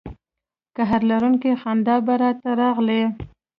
قهر لرونکې خندا به را ته راغلې.